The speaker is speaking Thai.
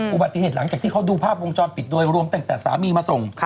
อุบัติเหตุหลังจากที่เขาดูภาพวงจรปิดโดยรวมตั้งแต่สามีมาส่ง